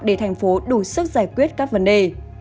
để thành phố đủ sức giải quyết các vấn đề